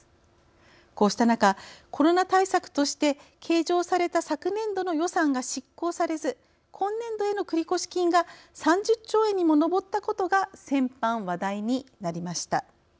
こうした中コロナ対策として計上された昨年度の予算が執行されず今年度への繰越金が３０兆円にも上ったことが先般話題になりました。